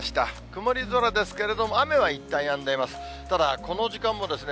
曇り空ですけれども、雨はいったんやんでいます。